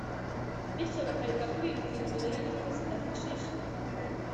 bityo bakareka kwiruka inyuma y'inyungu zidafashije